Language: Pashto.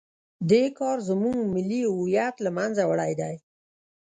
دې کار زموږ ملي هویت له منځه وړی دی.